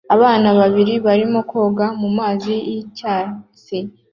Abana babiri barimo koga mumazi yicyatsi